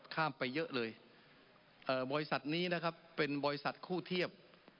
ข้ามไปเยอะเลยบริษัทนี้นะครับเป็นบริษัทคู่เทียบ